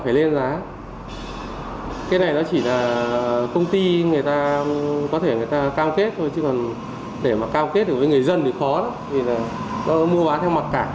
vì là nó mua bán theo mặt cả rồi đấy